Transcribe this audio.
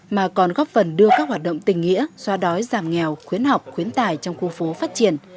mà còn góp phần đưa các hoạt động tình nghĩa xoa đói giảm nghèo khuyến học khuyến tài trong khu phố phát triển